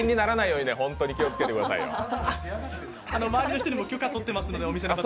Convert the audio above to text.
周りの人にもお店の方にも許可取ってますので。